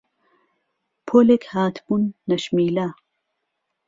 پۆلێک هاتبوون نهشميله